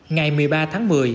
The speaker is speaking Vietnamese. ngày một mươi ba tháng một mươi